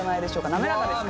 滑らかですか？